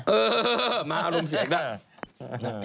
เออมาอารมณ์เสียอีกแล้ว